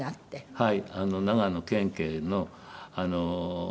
はい。